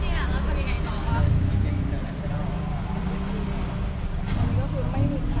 ไม่ใช่นี่คือบ้านของคนที่เคยดื่มอยู่หรือเปล่า